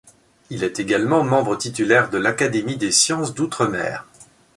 Il est également membre titulaire de l'Académie des sciences d'outre-mer.